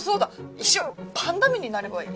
一生パンダ目になればいい。